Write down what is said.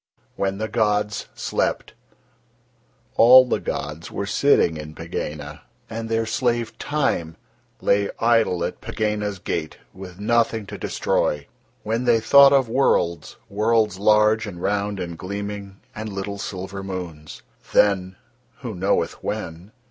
WHEN THE GODS SLEPT All the gods were sitting in Pegāna, and Their slave, Time, lay idle at Pegāna's gate with nothing to destroy, when They thought of worlds, worlds large and round and gleaming, and little silver moons. Then (who knoweth when?)